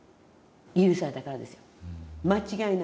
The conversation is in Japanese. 許されたからですよ。